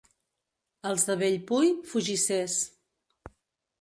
Els de Bellpui, fugissers.